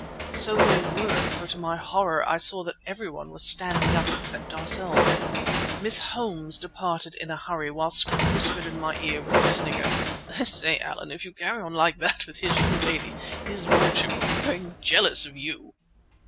So they were, for to my horror I saw that everyone was standing up except ourselves. Miss Holmes departed in a hurry, while Scroope whispered in my ear with a snigger: "I say, Allan, if you carry on like that with his young lady, his lordship will be growing jealous of you."